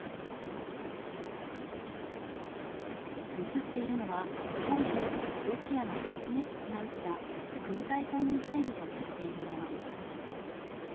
映っているのは今回のロシアの爆撃機が撃った空対艦ミサイルとされているものです。